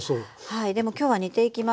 はいでも今日は煮ていきます。